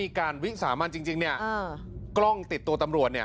หาวหาวหาวหาวหาวหาวหาวหาว